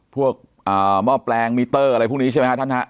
พวกอ่าหม้อแปลงมิเตอร์อะไรพวกนี้ใช่ไหมฮะท่านฮะ